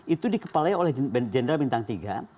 itu dikepalai oleh jenderal bintang tiga